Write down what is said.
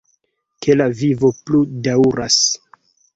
Ke la vivo plu daŭras!